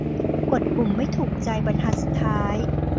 กดปุ่มไม่ถูกใจบรรทัดสุดท้าย